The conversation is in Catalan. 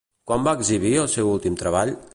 Quan va exhibir el seu últim treball?